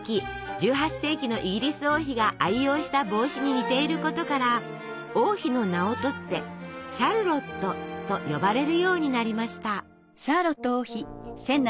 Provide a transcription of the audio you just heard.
１８世紀のイギリス王妃が愛用した帽子に似ていることから王妃の名をとって「シャルロット」と呼ばれるようになりました。